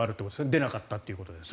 出なかったということで。